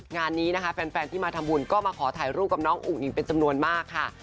งานนี้นะคะแฟนที่มาทำบุญก็มาขอถ่ายรูปกับน้องอุ๋งอิ๋งเป็นจำนวนมากค่ะ